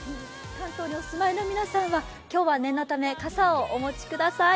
関東のお住まいの皆さんは、今日は念のため傘をお持ちください。